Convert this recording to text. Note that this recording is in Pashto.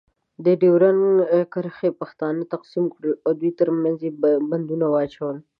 د ډیورنډ کرښې پښتانه تقسیم کړل. او دوی ترمنځ یې بندونه واچول.